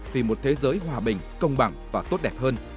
vì một thế giới hòa bình công bằng và tốt đẹp hơn